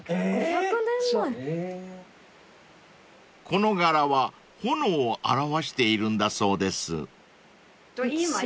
［この柄は炎を表しているんだそうです］